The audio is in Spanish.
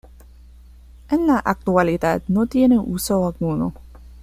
En la actualidad no tiene uso alguno.